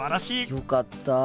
よかった。